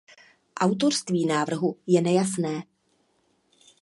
Autorství návrhu je nejasné.